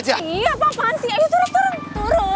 iya apaan sih ayo turun turun